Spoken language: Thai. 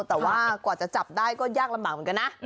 แต่ว่ากว่าจะจับได้ก็ยากลำบากเหมือนกันนะ